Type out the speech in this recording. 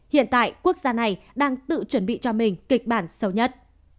hiện tại quốc gia này đang tự chuẩn bị cho mình kịch bản sâu nhất